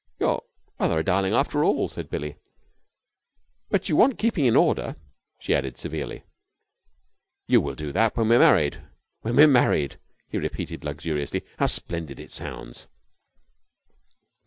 "You're rather a darling after all," said Billie. "But you want keeping in order," she added severely. "You will do that when we're married. When we're married!" he repeated luxuriously. "How splendid it sounds!"